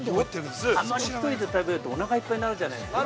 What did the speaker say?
あまり１人で食べると、おなかいっぱいになるじゃないですか。